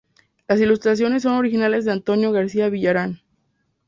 Las ilustraciones son originales de Antonio García Villarán.